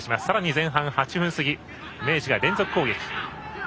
さらに前半８分過ぎ明治が連続攻撃。